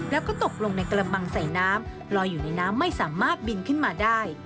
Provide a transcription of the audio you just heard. แล้วก็ตกลงในกระมังใส่น้ำลอยอยู่ในน้ำไม่สามารถบินขึ้นมาได้